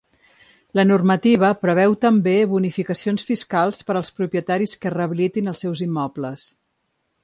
La normativa preveu també bonificacions fiscals per als propietaris que rehabilitin els seus immobles.